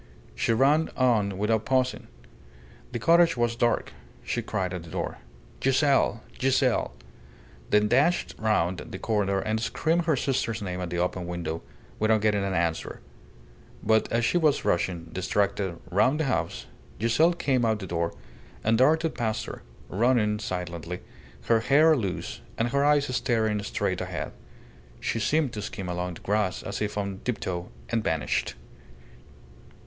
She ran on without pausing. The cottage was dark. She cried at the door, "Giselle! Giselle!" then dashed round the corner and screamed her sister's name at the open window, without getting an answer; but as she was rushing, distracted, round the house, Giselle came out of the door, and darted past her, running silently, her hair loose, and her eyes staring straight ahead. She seemed to skim along the grass as if on tiptoe, and vanished.